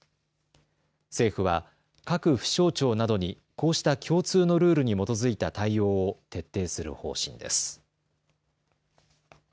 政府は各府省庁などにこうした共通のルールに基づいた対応を徹底する方針です。